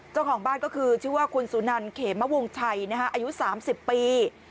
เจ้าของบ้านก็คือชื่อว่าคุณสุนันเขมวงชัยอายุ๓๐ปี